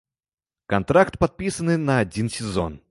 Кантракт падпісаны на адзін сезон.